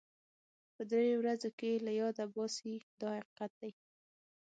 په دریو ورځو کې یې له یاده باسي دا حقیقت دی.